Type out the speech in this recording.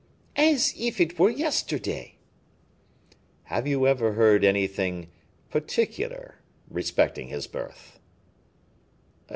"As if it were yesterday." "Have you ever heard anything particular respecting his birth?"